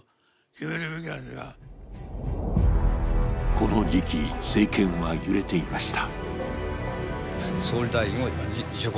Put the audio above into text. この時期、政権は揺れていました